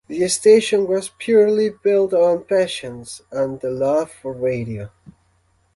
The station was purely built on passions and the love for radio.